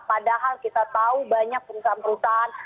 padahal kita tahu banyak perusahaan perusahaan